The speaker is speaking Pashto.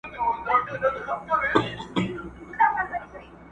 ستا خو غاړه په موږ ټولو کي ده لنډه!!